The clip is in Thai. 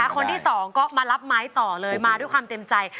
คนที่สองก็มารับไม้ต่อเลยมาด้วยความเต็มใจ